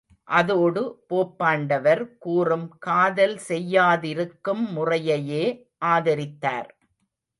அதோடு போப்பாண்டவர் கூறும் காதல் செய்யாதிருக்கும் முறையையே ஆதரித்தார்.